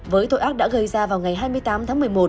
với tội ác đã gây ra vào ngày hai mươi tám tháng một mươi một